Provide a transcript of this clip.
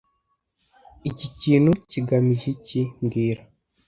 Iki kintu kigamije iki mbwira